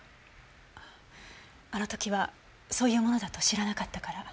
あの時はそういうものだと知らなかったから。